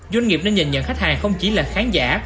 doanh nghiệp nên nhìn nhận khách hàng không chỉ là khán giả